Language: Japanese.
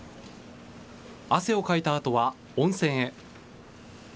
汗をかいたあとは温泉へ。